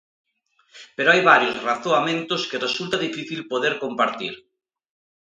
Pero hai varios razoamentos que resulta difícil poder compartir.